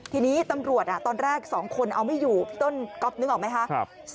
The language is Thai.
ทีนี้ตำรวจตอนแรก๒คนเอาไม่อยู่พี่ต้นก๊อฟนึกออกไหมคะ